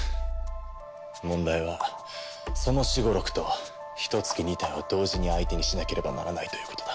問題はソノシゴロクとヒトツ鬼２体を同時に相手にしなければならないということだ。